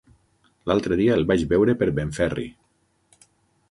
L'altre dia el vaig veure per Benferri.